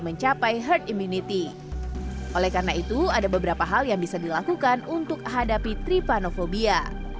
mencapai herd immunity oleh karena itu ada beberapa hal yang bisa dilakukan untuk hadapi tripanofobia